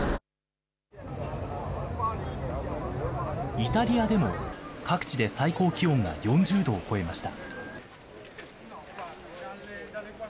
イタリアでも各地で最高気温が４０度を超えました。